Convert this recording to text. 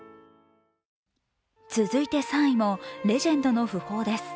続いて３位もレジェンドの訃報です。